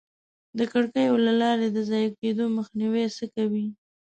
د کړکیو له لارې د ضایع کېدو مخنیوی څه کوئ؟